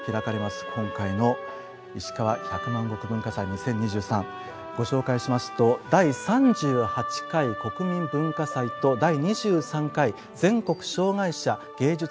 今回の「いしかわ百万石文化祭２０２３」ご紹介しますと「第３８回国民文化祭」と「第２３回全国障害者芸術・文化祭」をあわせたものです。